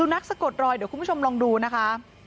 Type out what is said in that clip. เดี๋ยวคุณผู้ชมลองดูนะคะ